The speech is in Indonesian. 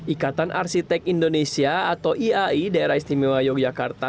ikatan arsitek indonesia atau iai daerah istimewa yogyakarta